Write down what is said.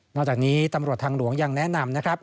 จากนี้ตำรวจทางหลวงยังแนะนำนะครับ